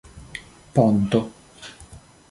ponto